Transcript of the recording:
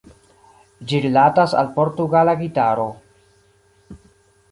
Ĝi rilatas al Portugala gitaro.